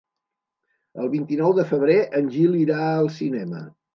El vint-i-nou de febrer en Gil irà al cinema.